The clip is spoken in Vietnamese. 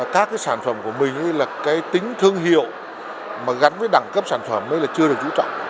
các cái sản phẩm của mình là cái tính thương hiệu mà gắn với đẳng cấp sản phẩm mới là chưa được chú trọng